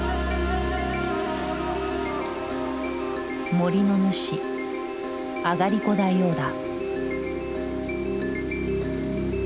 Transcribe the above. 森の主あがりこ大王だ。